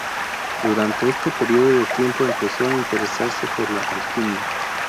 Durante este periodo de tiempo empezó a interesarse por la alquimia.